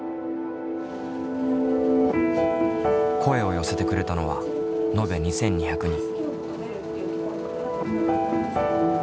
声を寄せてくれたのは延べ２，２００人。